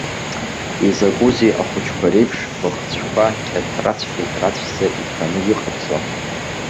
Изакәызеи ахәыҷқәа реиԥш, быхцәқәа кьатрацәкьатрацәӡа иԥаны иҟабҵо?